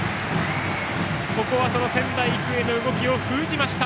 ここは仙台育英の動きを封じました。